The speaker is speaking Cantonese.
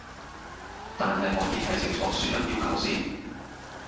但係可以睇清楚輸入要求先